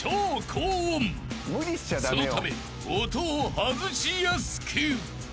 ［そのため音を外しやすく］